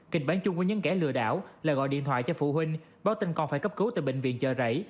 kịch bán chung của những kẻ lừa đảo là gọi điện thoại cho phụ huynh báo tin con phải cấp cứu từ bệnh viện chợ rảy